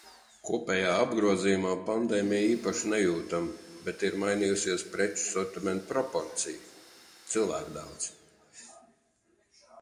Kopējā apgrozījumā pandēmiju īpaši nejūtam, bet ir mainījusies preču sortimenta proporcija. Cilvēku daudz.